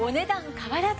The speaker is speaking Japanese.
変わらず？